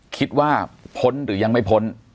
คิดว่าพ้นหรือยังไม่พ้น